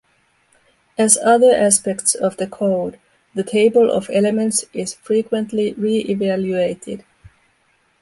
As other aspects of the "Code," the "Table of Elements" is frequently re-evaluated.